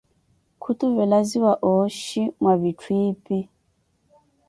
Khutuvelaziya ooxhi mwa vitthu ipi.